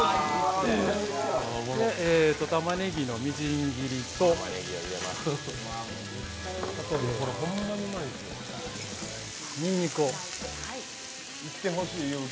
玉ねぎのみじん切りとにんにくを。